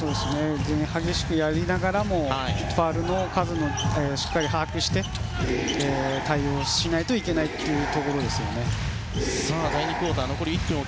激しくやりながらもファウルの数もしっかり把握して対応しないといけないというところですよね。